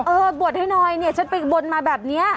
เออบวชให้หน่อยเนี่ยฉันไปบนมาแบบนี้